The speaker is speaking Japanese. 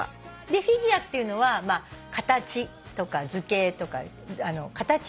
でフィギュアっていうのは形とか図形とか形を表すので。